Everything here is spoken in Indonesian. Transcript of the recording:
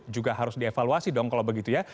juga harus dievaluasi dong kalau begitu ya